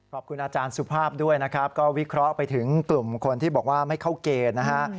ขอบคุณอาจารย์สุภาพด้วยนะครับก็วิเคราะห์ไปถึงกลุ่มคนที่บอกว่าไม่เข้าเกณฑ์นะฮะ